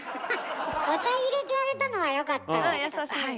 お茶いれてあげたのはよかったんだけどさ。